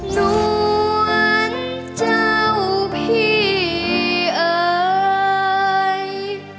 ส่วนเจ้าพี่เอ่ย